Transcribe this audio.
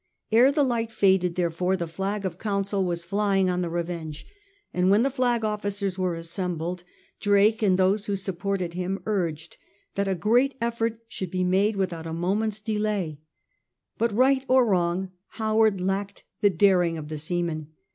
Ere the light faded, therefore, the flag of council was flying on the Bevengej and when the flag officers were assembled, Drake, and those who supported him, urged that a great effort should be made without a moment's delay. But^ right or wrong, Howard lacked the daring of the seamen.